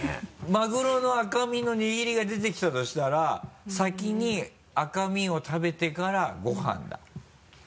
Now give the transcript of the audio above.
マグロの赤身の握りが出てきたとしたら先に赤身を食べてからご飯だ。